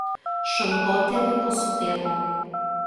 Šarlotė liko su tėvu.